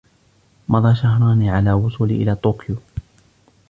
مضى شهران على وصولي إلى طوكيو.